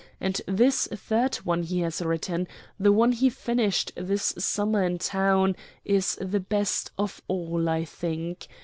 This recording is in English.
And this third one he has written, the one he finished this summer in town, is the best of all, I think.